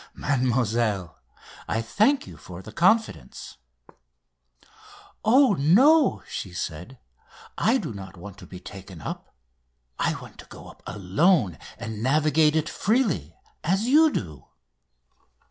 "Mademoiselle, I thank you for the confidence." "Oh, no," she said; "I do not want to be taken up. I want to go up alone and navigate it freely, as you do."